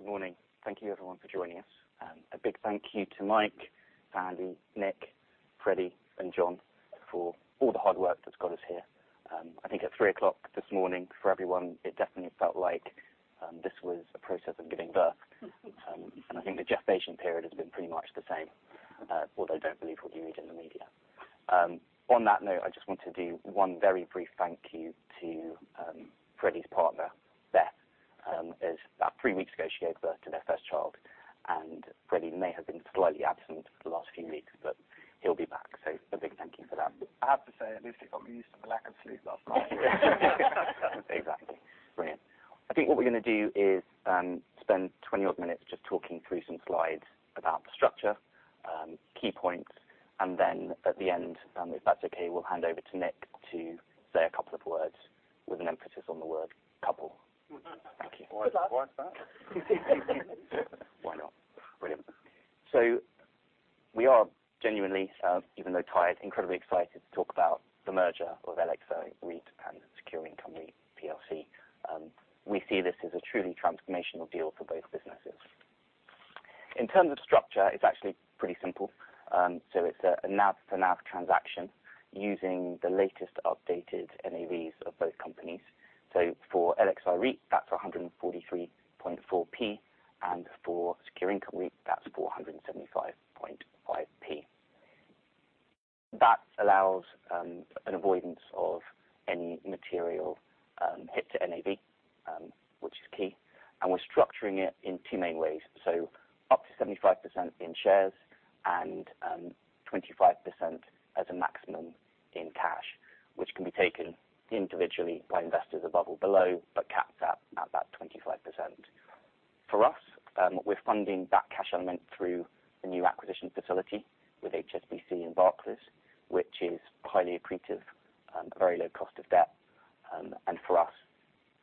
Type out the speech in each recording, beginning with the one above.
Good morning. Thank you everyone for joining us. A big thank you to Mike, Sandy, Nick, Freddie, and John for all the hard work that's got us here. I think at 3 o'clock this morning, for everyone, it definitely felt like this was a process of giving birth. I think the gestation period has been pretty much the same, although don't believe what you read in the media. On that note, I just want to do one very brief thank you to Freddie's partner, Beth. And about three weeks ago, she gave birth to their first child. Freddie may have been slightly absent for the last few weeks, but he'll be back. A big thank you for that. I have to say, at least it got me used to the lack of sleep last night. Exactly. Brilliant. I think what we're gonna do is, spend 20-odd minutes just talking through some slides about the structure, key points. Then at the end, if that's okay, we'll hand over to Nick to say a couple of words with an emphasis on the word couple. Thank you. Good luck. Why is that? Why not? Brilliant. We are genuinely, even though tired, incredibly excited to talk about the merger of LXI REIT and Secure Income REIT PLC. We see this as a truly transformational deal for both businesses. In terms of structure, it's actually pretty simple. It's a NAV to NAV transaction using the latest updated NAVs of both companies. For LXI REIT, that's 143.4p, and for Secure Income REIT, that's 475.5p. That allows an avoidance of any material hit to NAV, which is key. We're structuring it in two main ways. Up to 75% in shares and 25% as a maximum in cash, which can be taken individually by investors above or below, but capped at that 25%. For us, we're funding that cash element through the new acquisition facility with HSBC and Barclays, which is highly accretive, very low cost of debt. For us,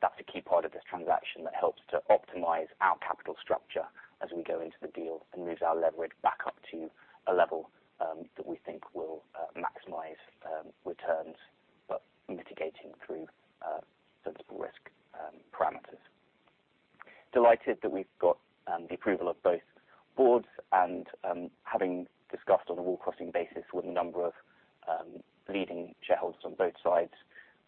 that's a key part of this transaction that helps to optimize our capital structure as we go into the deal and moves our leverage back up to a level that we think will maximize returns, but mitigating through sensible risk parameters. Delighted that we've got the approval of both boards and having discussed on a wall-crossing basis with a number of leading shareholders on both sides.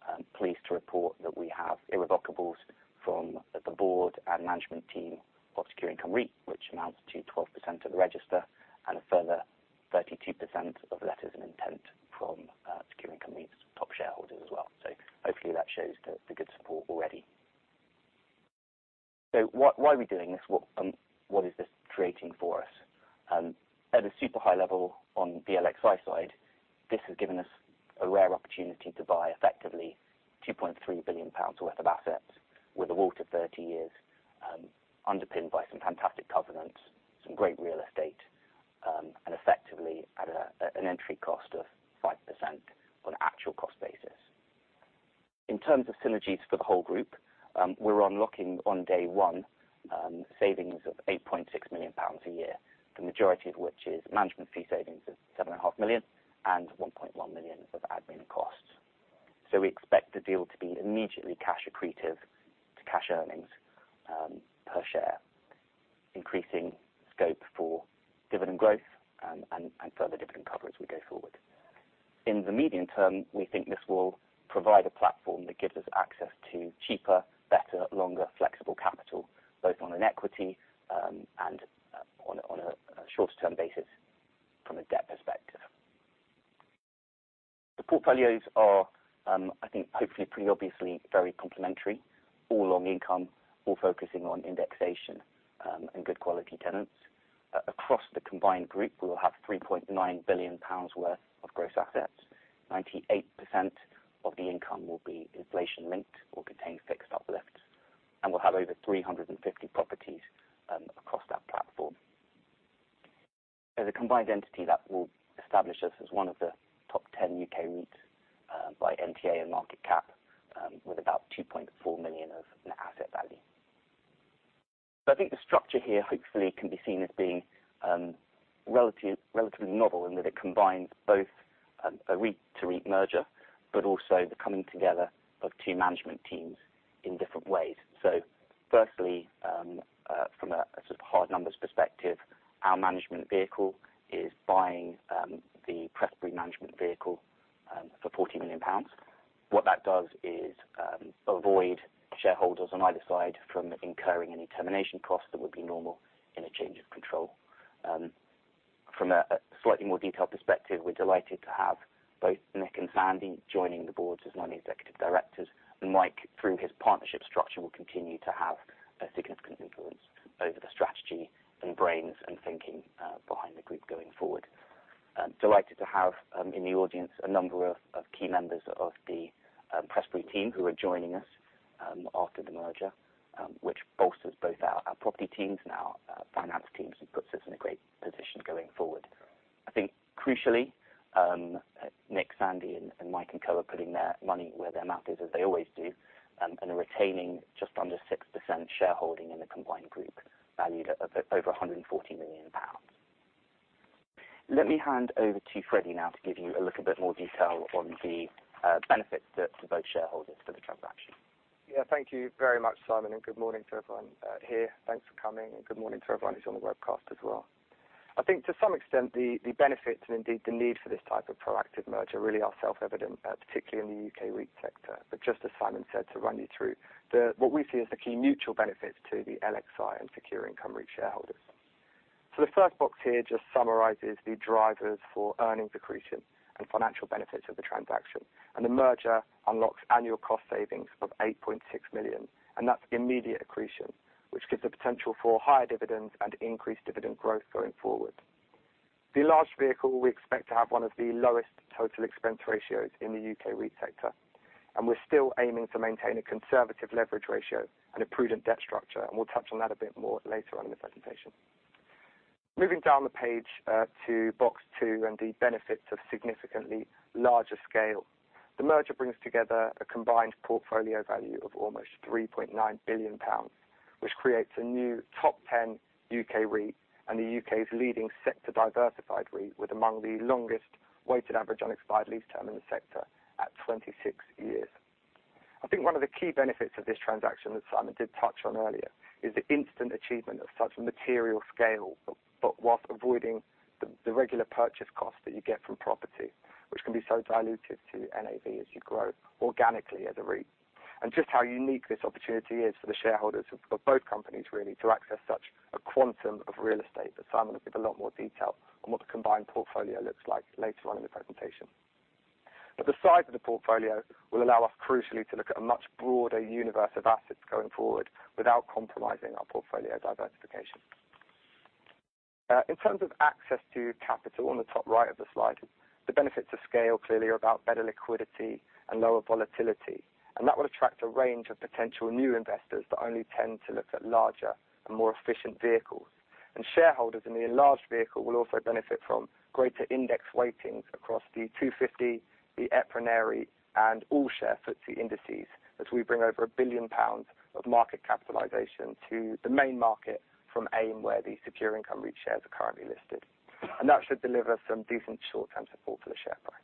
I'm pleased to report that we have irrevocables from the board and management team for Secure Income REIT, which amounts to 12% of the register and a further 32% of letters of intent from Secure Income REIT's top shareholders as well. Hopefully that shows the good support already. Why are we doing this? What is this creating for us? At a super high level on the LXI side, this has given us a rare opportunity to buy effectively 2.3 billion pounds worth of assets with a WALT of 30 years, underpinned by some fantastic covenants, some great real estate, and effectively at an entry cost of 5% on an actual cost basis. In terms of synergies for the whole group, we're unlocking on day one savings of 8.6 million pounds a year, the majority of which is management fee savings of 7.5 million and 1.1 million of admin costs. We expect the deal to be immediately cash accretive to cash earnings, per share, increasing scope for dividend growth, and further dividend coverage as we go forward. In the medium term, we think this will provide a platform that gives us access to cheaper, better, longer, flexible capital, both on an equity, and on a short-term basis from a debt perspective. The portfolios are, I think, hopefully pretty obviously very complementary, all long income, all focusing on indexation, and good quality tenants. Across the combined group, we will have 3.9 billion pounds worth of gross assets. 98% of the income will be inflation-linked or contain fixed uplifts, and we'll have over 350 properties, across that platform. As a combined entity, that will establish us as one of the top 10 U.K. REITs by NTA and market cap with about 2.4 million of net asset value. I think the structure here hopefully can be seen as being relatively novel in that it combines both a REIT-to-REIT merger, but also the coming together of two management teams group, valued at over 140 million pounds. Let me hand over to Freddie now to give you a little bit more detail on the benefits to both shareholders for the transaction. Yeah. Thank you very much, Simon, and good morning to everyone here. Thanks for coming, and good morning to everyone who's on the webcast as well. I think to some extent, the benefits and indeed the need for this type of proactive merger really are self-evident, particularly in the U.K. REIT sector. Just as Simon said, to run you through what we see as the key mutual benefits to the LXI and Secure Income REIT shareholders. The first box here just summarizes the drivers for earnings accretion and financial benefits of the transaction. The merger unlocks annual cost savings of 8.6 million, and that's immediate accretion, which gives the potential for higher dividends and increased dividend growth going forward. The large vehicle we expect to have one of the lowest total expense ratios in the U.K. REIT sector, and we're still aiming to maintain a conservative leverage ratio and a prudent debt structure, and we'll touch on that a bit more later on in the presentation. Moving down the page, to box two and the benefits of significantly larger scale. The merger brings together a combined portfolio value of almost 3.9 billion pounds, which creates a new top 10 U.K. REIT and the U.K.'s leading sector-diversified REIT with among the longest weighted average unexpired lease term in the sector at 26 years. I think one of the key benefits of this transaction that Simon did touch on earlier is the instant achievement of such material scale, but while avoiding the regular purchase cost that you get from property, which can be so dilutive to NAV as you grow organically as a REIT. Just how unique this opportunity is for the shareholders of both companies really to access such a quantum of real estate that Simon will give a lot more detail on what the combined portfolio looks like later on in the presentation. The size of the portfolio will allow us crucially to look at a much broader universe of assets going forward without compromising our portfolio diversification. In terms of access to capital on the top right of the slide, the benefits of scale clearly are about better liquidity and lower volatility, and that will attract a range of potential new investors that only tend to look at larger and more efficient vehicles. Shareholders in the enlarged vehicle will also benefit from greater index weightings across the 250, the EPRA/NAREIT, and All-Share FTSE indices as we bring over 1 billion pounds of market capitalization to the main market from AIM, where the Secure Income REIT shares are currently listed. That should deliver some decent short-term support for the share price.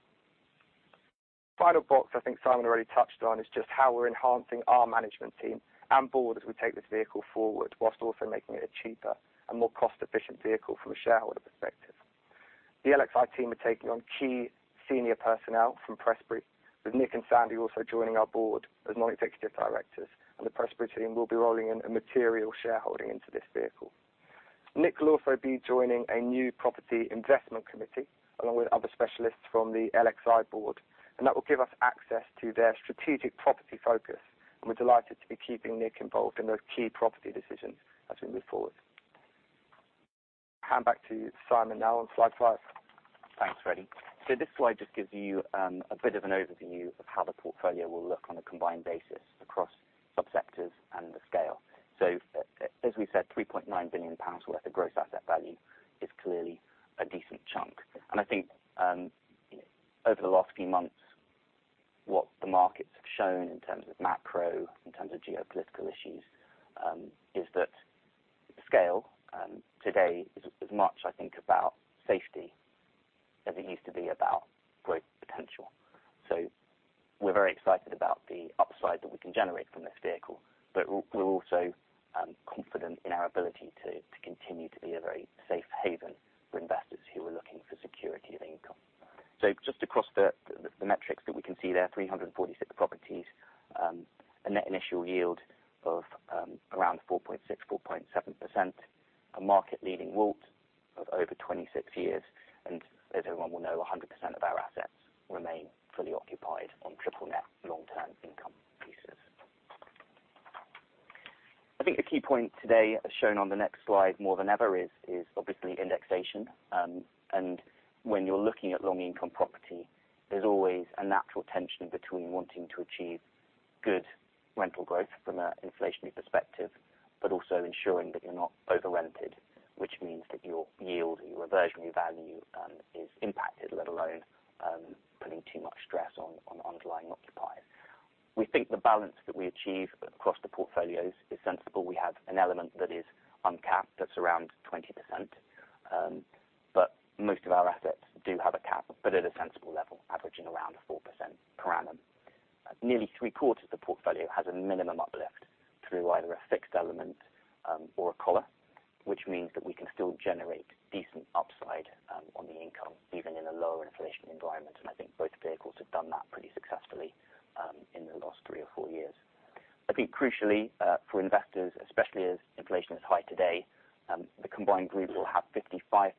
The final box I think Simon already touched on is just how we're enhancing our management team and board as we take this vehicle forward, while also making it a cheaper and more cost-efficient vehicle from a shareholder perspective. The LXI team are taking on key senior personnel from Prestbury, with Nick and Sandy also joining our board as non-executive directors and the Prestbury team will be rolling in a material shareholding into this vehicle. Nick will also be joining a new property investment committee along with other specialists from the LXI board, and that will give us access to their strategic property focus, and we're delighted to be keeping Nick involved in those key property decisions as we move forward. Hand back to Simon now on slide five. Thanks, Freddie. This slide just gives you a bit of an overview of how the portfolio will look on a combined basis across subsectors and the scale. As we said, 3.9 billion pounds worth of gross asset value is clearly a decent chunk. I think, over the last few months, what the markets have shown in terms of macro, in terms of geopolitical issues, is that scale today is much, I think, about safety as it used to be about growth potential. We're very excited about the upside that we can generate from this vehicle. We're also confident in our ability to continue to be a very safe haven for investors who are looking for security of income. Just across the metrics that we can see there, 346 properties, a net initial yield of around 4.6%-4.7%, a market leading WALT of over 26 years. As everyone will know, 100% of our assets remain fully occupied on triple net long-term income leases. I think the key point today, as shown on the next slide more than ever, is obviously indexation. When you're looking at long income property, there's always a natural tension between wanting to achieve good rental growth from an inflationary perspective, but also ensuring that you're not over-rented, which means that your yield, your reversionary value, is impacted, let alone putting too much stress on underlying occupiers. We think the balance that we achieve across the portfolios is sensible. We have an element that is uncapped that's around 20%. But most of our assets do have a cap, but at a sensible level, averaging around 4% per annum. Nearly three-quarters of the portfolio has a minimum uplift through either a fixed element, or a collar, which means that we can still generate decent upside, on the income even in a lower inflation environment. I think both vehicles have done that pretty successfully, in the last three or four years. I think crucially, for investors, especially as inflation is high today, the combined group will have 55%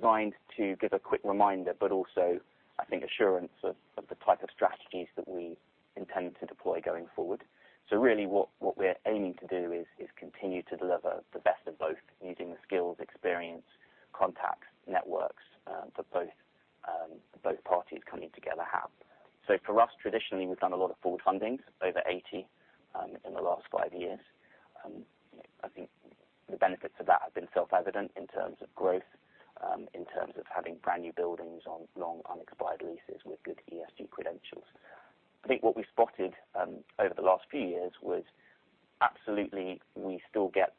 of its income reviewed on an annual basis. That allows us to grab that inflation today rather than having to wait three, four, five years for a five-yearly rent review. I think as we show on the chart, our largest weighting remains towards RPI income, which you know, traditionally has tracked and certainly is continuing to track at a higher level than CPI. The next slide, I think, is designed to give a quick reminder, but also I think assurance of the type of strategies that we intend to deploy going forward. Really what we're aiming to do is continue to deliver the best of both using the skills, experience, contacts, networks that both parties coming together have. For us, traditionally, we've done a lot of forward fundings, over 80 in the last five years. I think the benefits of that have been self-evident in terms of growth, in terms of having brand-new buildings on long unexpired leases with good ESG credentials. I think what we spotted over the last few years was absolutely we still get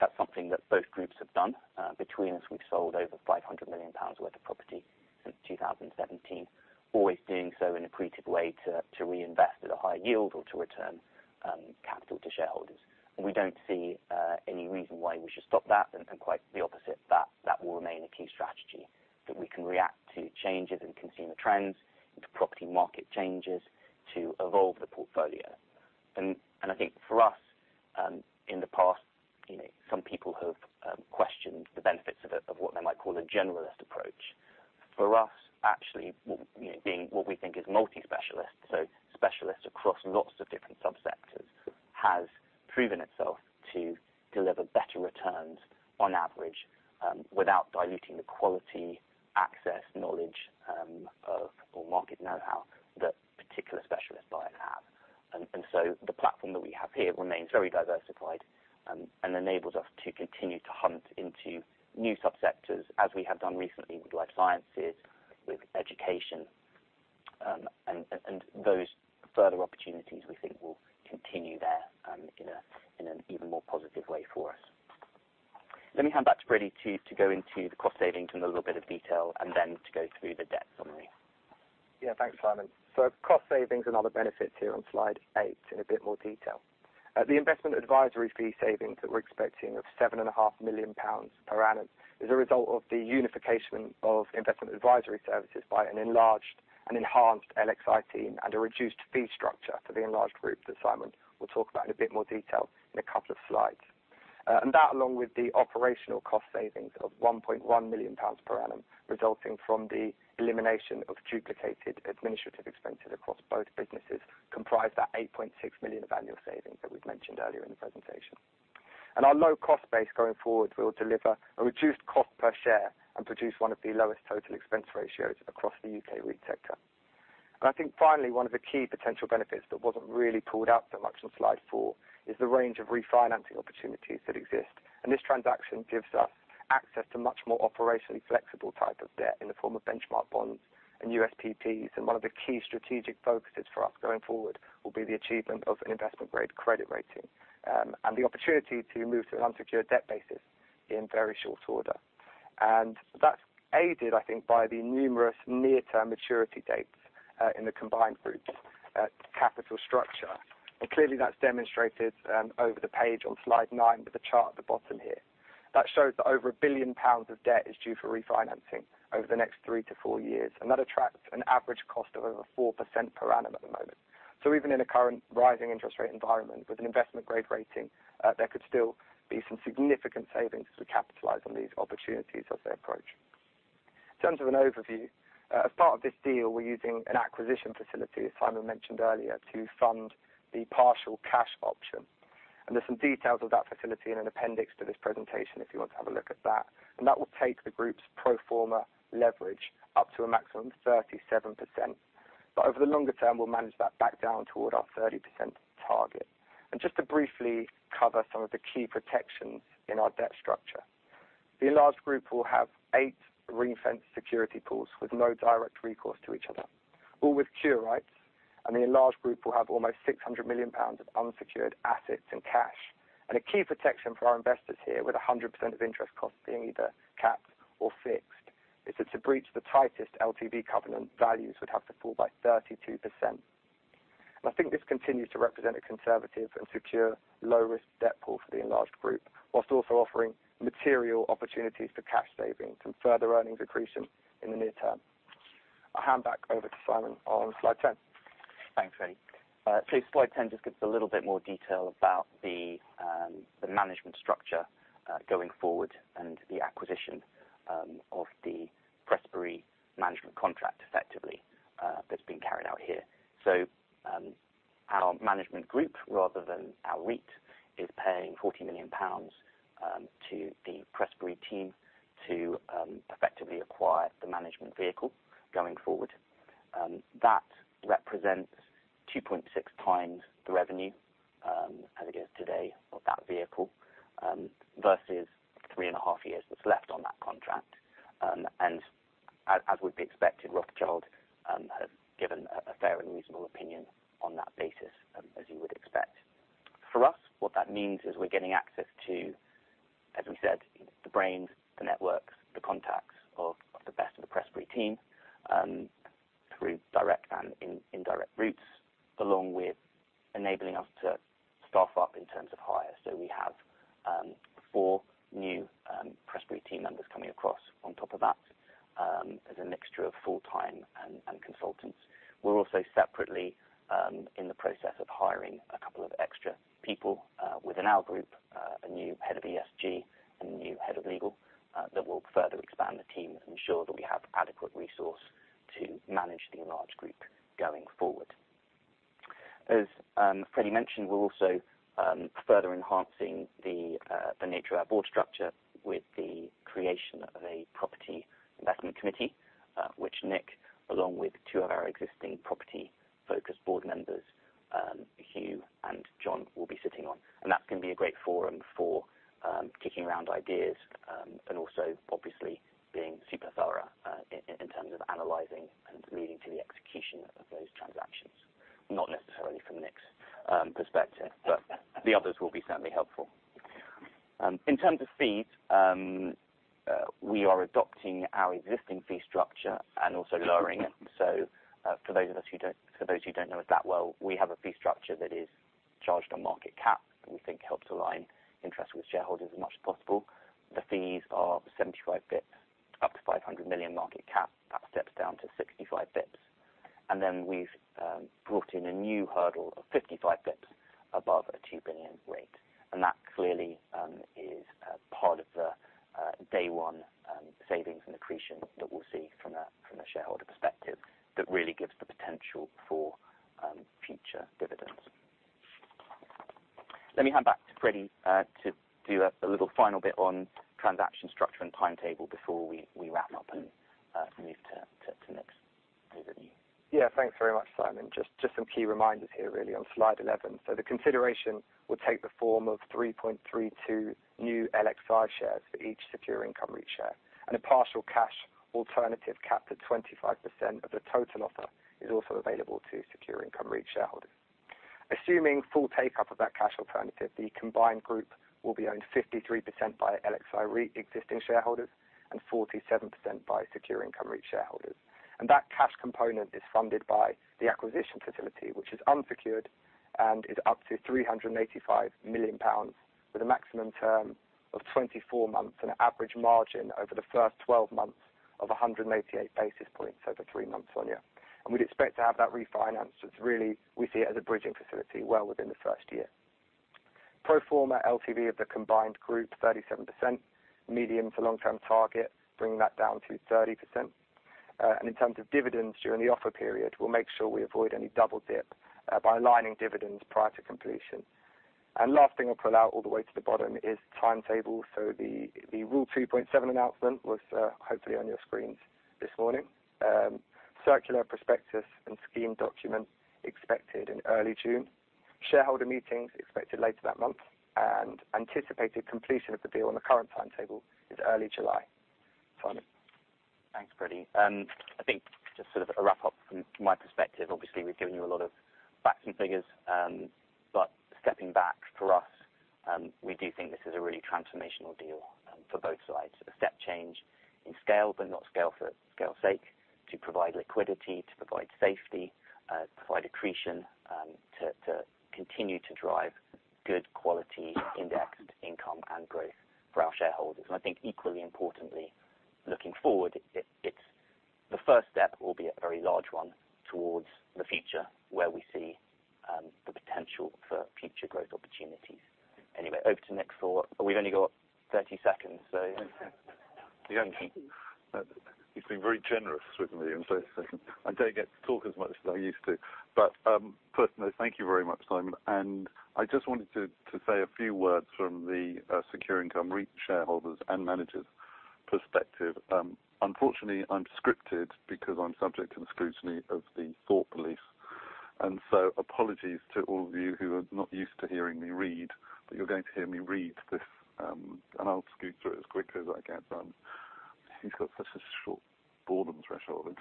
That's something that both groups have done. Between us, we've sold over 500 million pounds worth of property since 2017. Always doing so in accretive way to reinvest at a high yield or to return capital to shareholders. We don't see any reason why we should stop that. Quite the opposite, that will remain a key strategy that we can react to changes in consumer trends and to property market changes to evolve the portfolio. I think for us, in the past, you know, some people have questioned the benefits of of what they might call a generalist approach. For us, actually, you know, being what we think is multi-specialist, so specialists across lots of different sub-sectors, has proven That along with the operational cost savings of 1.1 million pounds per annum, resulting from the elimination of duplicated administrative expenses across both businesses, comprise that 8.6 million of annual savings that we've mentioned earlier in the presentation. Our low cost base going forward will deliver a reduced cost per share and produce one of the lowest total expense ratios across the U.K. REIT sector. I think finally, one of the key potential benefits that wasn't really pulled out so much on slide four is the range of refinancing opportunities that exist. This transaction gives us access to much more operationally flexible type of debt in the form of benchmark bonds and USPPs. One of the key strategic focuses for us going forward will be the achievement of an investment-grade credit rating, and the opportunity to move to an unsecured debt basis in very short order. That's aided, I think, by the numerous near-term maturity dates, in the combined group's, capital structure. Clearly, that's demonstrated, over the page on slide nine with a chart at the bottom here. That shows that over 1 billion pounds of debt is due for refinancing over the next three to four years. That attracts an average cost of over 4% per annum at the moment. Even in a current rising interest rate environment, with an investment-grade rating, there could still be some significant savings as we capitalize on these opportunities as they approach. In terms of an overview, as part of this deal, we're using an acquisition facility, as Simon mentioned earlier, to fund the partial cash option. There's some details of that facility in an appendix to this presentation if you want to have a look at that. That will take the group's pro forma leverage up to a maximum 37%. Over the longer term, we'll manage that back down toward our 30% target. Just to briefly cover some of the key protections in our debt structure. The enlarged group will have eight ring-fence security pools with no direct recourse to each other, all with cure rights. The enlarged group will have almost 600 million pounds of unsecured assets and cash. A key protection for our investors here, with 100% of interest costs being either capped or fixed, is if it's a breach of the tightest LTV covenant, values would have to fall by 32%. I think this continues to represent a conservative and secure low-risk debt pool for the enlarged group, while also offering material opportunities for cash savings and further earnings accretion in the near term. I'll hand back over to Simon on slide 10. Thanks, Freddie. Slide 10 just gives a little bit more detail about the management structure going forward and the acquisition of the Prestbury management contract effectively that's being carried out here. Our management group rather than our REIT is paying 40 million pounds to the Prestbury team to effectively acquire the management vehicle going forward. That represents 2.6x the revenue as it is today of that vehicle versus 3.5 years that's left on that contract. As would be expected, Rothschild has given a fair and reasonable opinion on that basis as you would expect. For us, what that means is we're getting access to, as we said, the brains, the networks, the contacts of the best of the Prestbury team, through direct and indirect routes, along with enabling us to staff up in terms of hires. We have four new Prestbury team members coming across on top of that, as a mixture of full-time and consultants. We're also separately in the process of hiring a couple of extra people within our group, a new head of ESG and a new head of legal, that will further expand the team and ensure that we have adequate resource to manage the enlarged group going forward. As Freddie mentioned, we're also further enhancing the nature of our board structure with the creation of a property investment committee, which Nick, along with two of our existing property-focused board members, Hugh and John, will be sitting on. That's gonna be a great forum for kicking around ideas, and also obviously being super thorough in terms of analyzing and leading to the execution of those transactions. Not necessarily from Nick's perspective but the others will be certainly helpful. In terms of fees, we are adopting our existing fee structure and also lowering it. For those who don't know us that well, we have a fee structure that is charged on market cap, that we think helps align interest with shareholders as much as possible. The fees are 75 bps up to 500 million market cap. That steps down to 65 bps. Then we've brought in a new hurdle of 55 bps above a 2 billion rate. That clearly is part of the day one savings and accretion that we'll see from a shareholder perspective that really gives the potential for future dividends. Let me hand back to Freddie to do a little final bit on transaction structure and timetable before we wrap up and move to Nick's overview. Yeah, thanks very much, Simon. Just some key reminders here really on slide 11. The consideration will take the form of 3.32 new LXI shares for each Secure Income REIT share. A partial cash alternative capped at 25% of the total offer is also available to Secure Income REIT shareholders. Assuming full take up of that cash alternative, the combined group will be owned 53% by LXI REIT existing shareholders and 47% by Secure Income REIT shareholders. That cash component is funded by the acquisition facility, which is unsecured and is up to 385 million pounds with a maximum term of 24 months, an average margin over the first 12 months of 188 basis points over three-month SONIA. We'd expect to have that refinanced, as really we see it as a bridging facility well within the first year. Pro forma LTV of the combined group, 37%. Medium- to long-term target, bringing that down to 30%. In terms of dividends during the offer period, we'll make sure we avoid any double dip by aligning dividends prior to completion. Last thing I'll pull out all the way to the bottom is timetable. The Rule 2.7 announcement was, hopefully on your screens this morning. Circular prospectus and scheme document expected in early June. Shareholder meetings expected later that month. Anticipated completion of the deal on the current timetable is early July. Simon. Thanks, Freddie. I think just sort of a wrap up from my perspective, obviously, we've given you a lot of facts and figures, but stepping back, for us, we do think this is a really transformational deal, for both sides. A step change in scale, but not scale for scale's sake. To provide liquidity, to provide safety, provide accretion, to continue to drive good quality index income and growth for our shareholders. I think equally importantly, looking forward, it's the first step, albeit a very large one, towards the future where we see the potential for future growth opportunities. Anyway, over to Nick. We've only got 30 seconds, so. You've been very generous with me in those 30 seconds. I don't get to talk as much as I used to. Personally, thank you very much, Simon. I just wanted to say a few words from the Secure Income REIT shareholders and managers' perspective. Unfortunately, I'm scripted because I'm subject to the scrutiny of the thought police. Apologies to all of you who are not used to hearing me read, but you're going to hear me read this, and I'll scoot through it as quickly as I can. He's got such a short boredom threshold.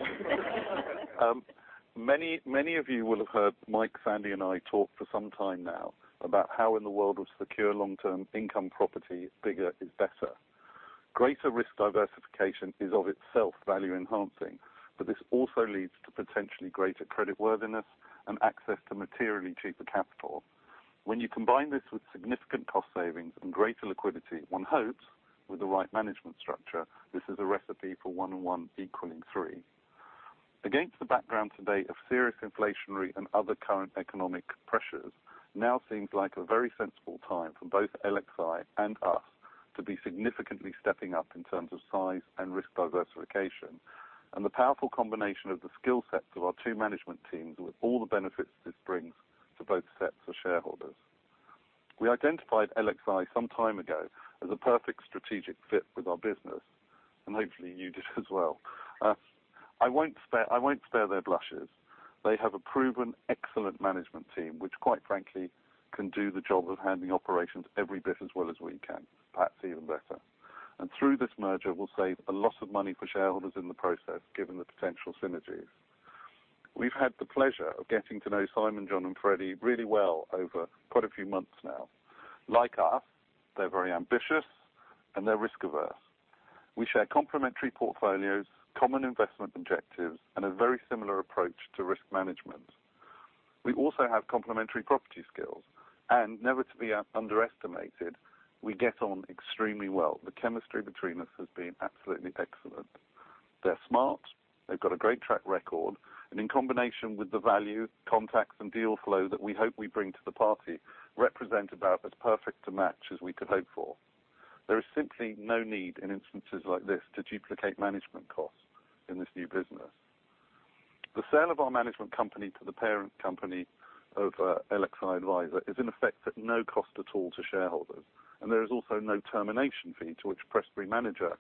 Many of you will have heard Mike, Sandy, and I talk for some time now about how in the world of secure long-term income property, bigger is better. Greater risk diversification is of itself value enhancing, but this also leads to potentially greater credit worthiness and access to materially cheaper capital. When you combine this with significant cost savings and greater liquidity, one hopes, with the right management structure, this is a recipe for one and one equaling three. Against the background today of serious inflationary and other current economic pressures. Now, seems like a very sensible time for both LXI and us to be significantly stepping up in terms of size and risk diversification and the powerful combination of the skill sets of our two management teams with all the benefits this brings to both sets of shareholders. We identified LXI some time ago as a perfect strategic fit with our business, and hopefully you did as well. I won't spare their blushes. They have a proven excellent management team, which quite frankly, can do the job of handling operations every bit as well as we can, perhaps even better. Through this merger, we'll save a lot of money for shareholders in the process, given the potential synergies. We've had the pleasure of getting to know Simon, John, and Freddie really well over quite a few months now. Like us, they're very ambitious and they're risk-averse. We share complementary portfolios, common investment objectives, and a very similar approach to risk management. We also have complementary property skills, and never to be underestimated, we get on extremely well. The chemistry between us has been absolutely excellent. They're smart, they've got a great track record, and in combination with the value, contacts, and deal flow that we hope we bring to the party represent about as perfect a match as we could hope for. There is simply no need in instances like this to duplicate management costs in this new business. The sale of our management company to the parent company of LXI REIT Advisors is in effect at no cost at all to shareholders, and there is also no termination fee to which Prestbury manager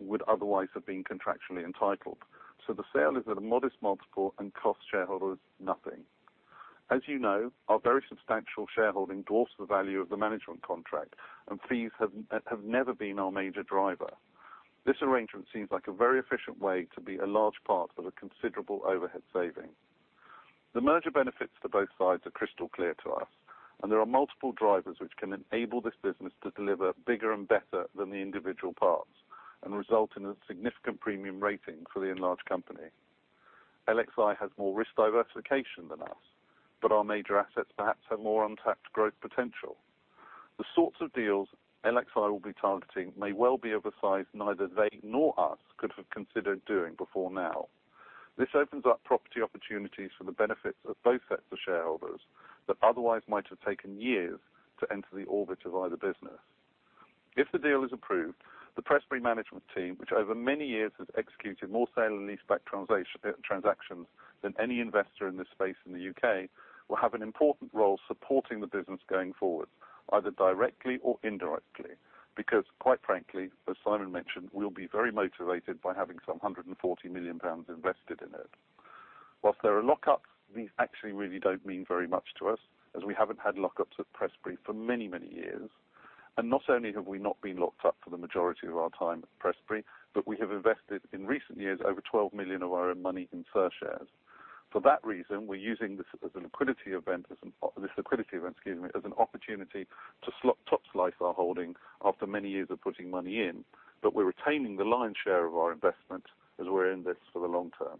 would otherwise have been contractually entitled. The sale is at a modest multiple and costs shareholders nothing. As you know, our very substantial shareholding dwarfs the value of the management contract, and fees have never been our major driver. This arrangement seems like a very efficient way to be a large part of a considerable overhead saving. The merger benefits to both sides are crystal clear to us, and there are multiple drivers which can enable this business to deliver bigger and better than the individual parts and result in a significant premium rating for the enlarged company. LXI has more risk diversification than us, but our major assets perhaps have more untapped growth potential. The sorts of deals LXI will be targeting may well be of a size neither they nor us could have considered doing before now. This opens up property opportunities for the benefit of both sets of shareholders that otherwise might have taken years to enter the orbit of either business. If the deal is approved, the Prestbury management team, which over many years has executed more sale and leaseback transactions than any investor in this space in the U.K., will have an important role supporting the business going forward, either directly or indirectly, because quite frankly, as Simon mentioned, we'll be very motivated by having 140 million pounds invested in it. While there are lockups, these actually really don't mean very much to us, as we haven't had lockups at Prestbury for many, many years. Not only have we not been locked up for the majority of our time at Prestbury, but we have invested, in recent years, over 12 million of our own money in SIR shares. For that reason, we're using this as a liquidity event, excuse me, as an opportunity to top-slice our holding after many years of putting money in, but we're retaining the lion's share of our investment as we're in this for the long term.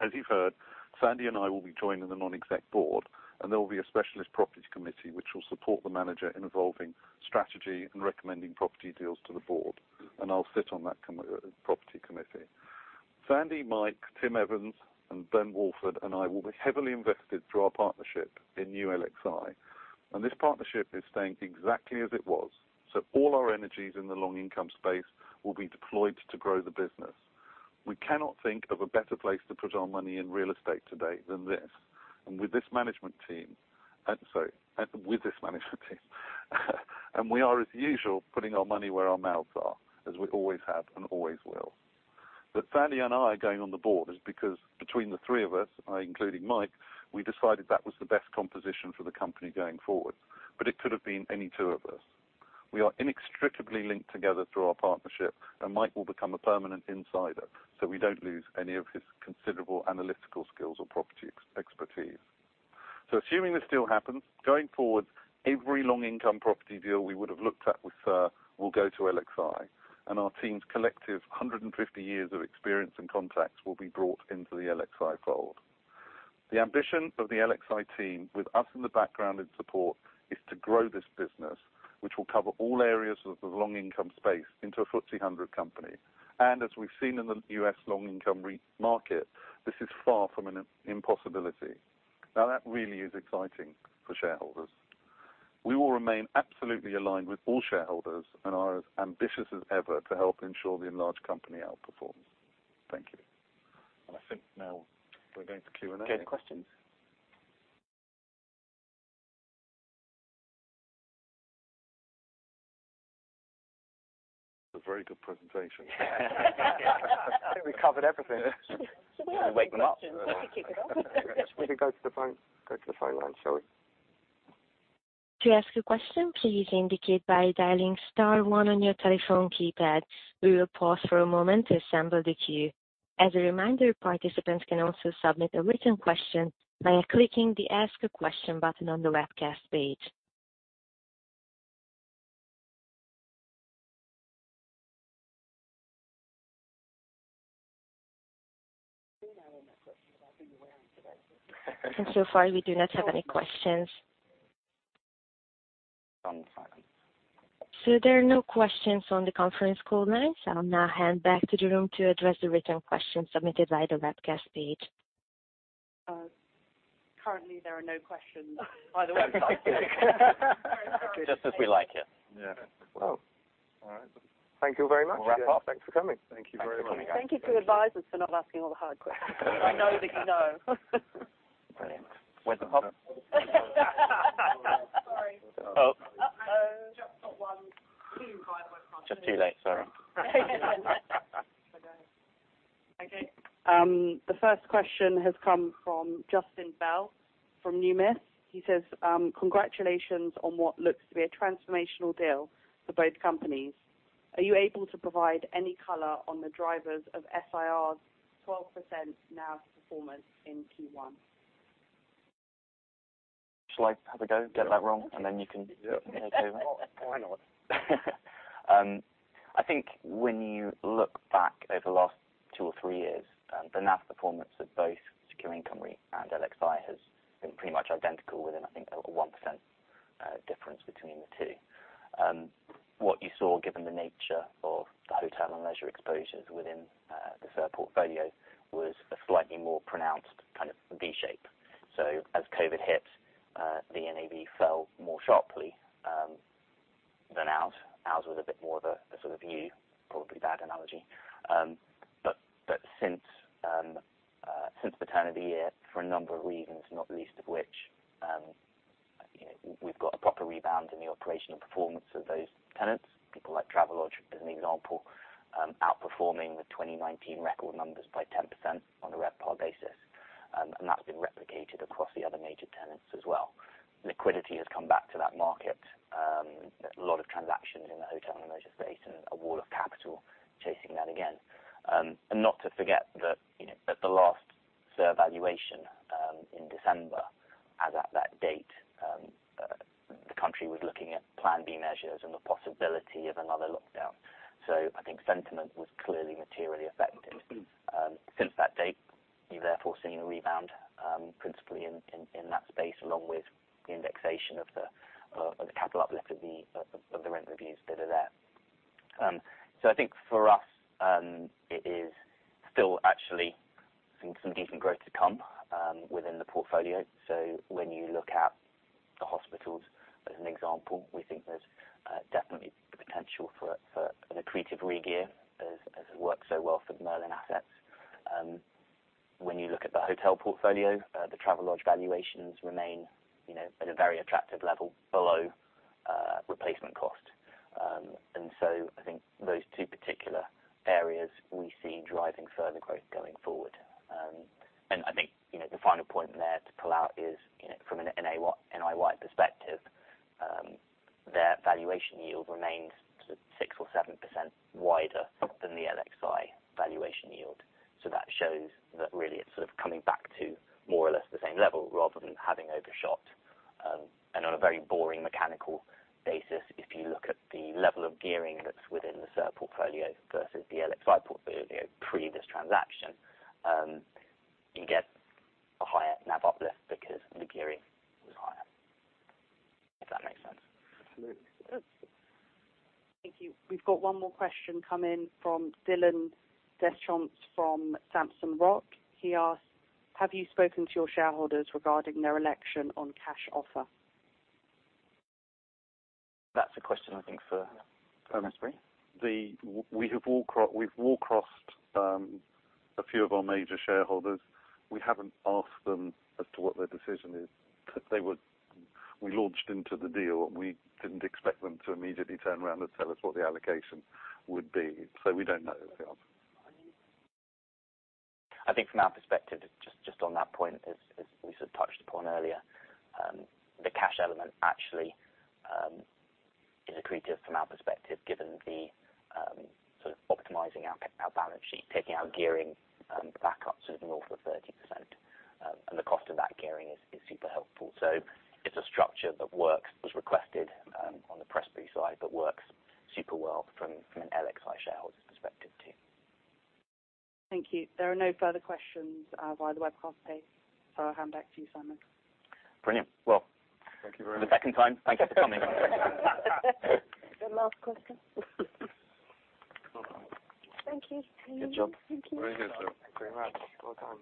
As you've heard, Sandy and I will be joining the non-exec board, and there will be a specialist properties committee which will support the manager in evolving strategy and recommending property deals to the board. I'll sit on that property committee. Sandy, Mike, Tim Evans, and Ben Walford, and I will be heavily invested through our partnership in new LXI, and this partnership is staying exactly as it was, so all our energies in the long income space will be deployed to grow the business. We cannot think of a better place to put our money in real estate today than this. With this management team, I'm sorry, and we are, as usual, putting our money where our mouths are, as we always have and always will. That Sandy and I are going on the board is because between the three of us, me including Mike, we decided that was the best composition for the company going forward, but it could have been any two of us. We are inextricably linked together through our partnership, and Mike will become a permanent insider, so we don't lose any of his considerable analytical skills or property expertise. Assuming this deal happens, going forward, every long income property deal we would have looked at with will go to LXI and our team's collective 150 years of experience and contacts will be brought into the LXI fold. The ambition of the LXI team with us in the background and support is to grow this business, which will cover all areas of the long income space into a FTSE 100 company. As we've seen in the U.S. long income REIT market, this is far from an impossibility. Now, that really is exciting for shareholders. We will remain absolutely aligned with all shareholders and are as ambitious as ever to help ensure the enlarged company outperforms. Thank you. I think now we're going to Q&A. Okay. Questions. A very good presentation. I think we covered everything. We are waking up. Wake them up. We can kick it off. We can go to the phone. Go to the phone line, shall we? To ask a question, please indicate by dialing star one on your telephone keypad. We will pause for a moment to assemble the queue. As a reminder, participants can also submit a written question by clicking the Ask a Question button on the webcast page. So far, we do not have any questions. There are no questions on the conference call line. I'll now hand back to the room to address the written questions submitted via the webcast page. Currently there are no questions by the website. Just as we like it. Yeah. Well. All right. Thank you very much. Wrap up. Thanks for coming. Thank you very much. Thank you to advisors for not asking all the hard questions. I know that you know. Brilliant. Where's the pub? Sorry. Oh. Just got one by the way. Just too late, sorry. Okay. The first question has come from Justin Bell from Numis. He says, "Congratulations on what looks to be a transformational deal for both companies. Are you able to provide any color on the drivers of SIR's 12% NAV performance in Q1? Shall I have a go, get that wrong, and then you can take over? Why not? I think when you look back over the last two or three years, the NAV performance of both Secure Income REIT and LXI has been pretty much identical within, I think, about a 1% difference between the two. What you saw, given the nature of the hotel and leisure exposures within the SIR portfolio, was a slightly more pronounced kind of V-shape. As COVID hit, the NAV fell more sharply than ours. Ours was a bit more of a sort of U, probably a bad analogy. Since the turn of the year, for a number of reasons, not least of which, you know, we've got a proper rebound in the operational performance of those tenants. People like Travelodge, as an example, outperforming the 2019 record numbers by 10% on a RevPAR basis. That's been replicated across the other major tenants as well. Liquidity has come back to that market. There's a lot of transactions in the hotel and leisure space and a wall of capital chasing that again. Not to forget that, you know, at the last SIR valuation in December, as at that date, the country was looking at Plan B measures and the possibility of another lockdown. I think sentiment was clearly materially affected. Since that date, you've therefore seen a rebound principally in that space, along with the indexation of the capital uplift of the rent reviews that are there. I think for us, it is still actually some decent growth to come within the portfolio. When you look at the hospitals as an example, we think there's definitely the potential for an accretive regear as it works so well for Merlin Entertainments. When you look at the hotel portfolio, the Travelodge valuations remain, you know, at a very attractive level below replacement cost. I think, you know, the final point there to pull out is, you know, from a SIR-wide perspective, their valuation yield remains sort of 6% or 7% wider than the LXI valuation yield. That shows that really it's sort of coming back to more or less the same level rather than having overshot. On a very boring mechanical basis, if you look at the level of gearing that's within the SIR portfolio versus the LXI portfolio pre this transaction, you get a higher NAV uplift because the gearing was higher, if that makes sense. Absolutely. Thank you. We've got one more question come in from Dylan Deschamps, from Samson Rock Capital. He asks, "Have you spoken to your shareholders regarding their election on cash offer? That's a question I think for Prestbury. We've talked to a few of our major shareholders. We haven't asked them as to what their decision is. We launched into the deal, and we didn't expect them to immediately turn around and tell us what the allocation would be. We don't know the answer. I think from our perspective, just on that point, as we sort of touched upon earlier, the cash element actually is accretive from our perspective, given the sort of optimizing our balance sheet, taking our gearing back up to the north of 30%. The cost of that gearing is super helpful. It's a structure that works, was requested on the Prestbury side, but works super well from an LXI shareholder's perspective too. Thank you. There are no further questions via the webcast page. I'll hand back to you, Simon. Brilliant. Thank you very much. For the second time, thank you for coming. The last question. Well done. Thank you. Good job. Thank you. Very good. Thank you very much. Well done.